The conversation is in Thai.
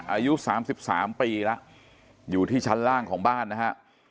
อายุสามสิบสามปีละอยู่ที่ชั้นล่างของบ้านนะฮะ